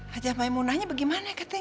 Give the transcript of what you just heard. hajah maimunahnya bagaimana